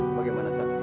bagaimana saksi sah